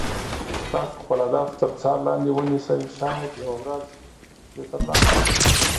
تاسو خپل هدف تر څار لاندې ونیسئ شاید یوه ورځ یې تر لاسه کړئ.